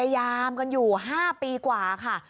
ยามกันอยู่๕ปีกว่าค่ะ